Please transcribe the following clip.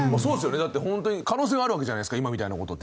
だってホントに可能性はあるわけじゃないですか今みたいな事って。